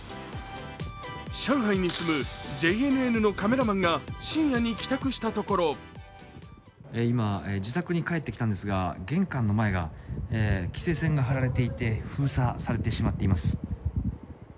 上海に住むＪＮＮのカメラマンが深夜に帰宅したところ今、自宅に帰ってきたんですが玄関の前が規制線が張られていて封鎖されてしまっています。